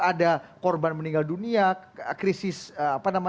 ada korban meninggal dunia krisis keamanan di sana